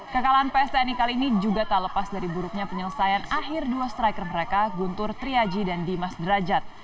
kekalahan ps tni kali ini juga tak lepas dari buruknya penyelesaian akhir dua striker mereka guntur triaji dan dimas derajat